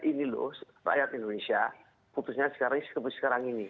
ini loh rakyat indonesia putusannya sekarang ini